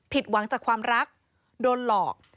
หวังจากความรักโดนหลอก